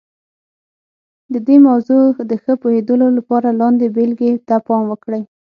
د دې موضوع د ښه پوهېدلو لپاره لاندې بېلګې ته پام وکړئ.